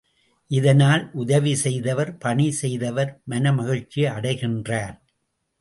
இதனால் உதவி செய்தவர் பணி செய்தவர் மனமகிழ்ச்சி அடைகின்றார்.